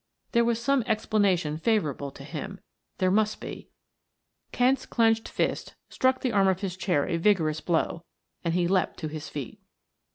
There was some explanation favorable to him there must be. Kent's clenched fist struck the arm of his, chair a vigorous blow and he leapt to his feet.